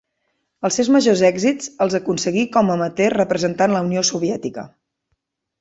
Els seus majors èxits els aconseguí com amateur representant la Unió Soviètica.